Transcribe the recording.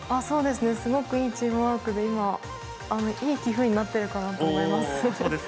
すごくいいチームワークで今いい棋譜になってるかなと思います。